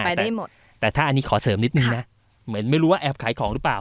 ไปได้หมดแต่ถ้าอันนี้ขอเสริมนิดนึงนะเหมือนไม่รู้ว่าแอบขายของหรือเปล่า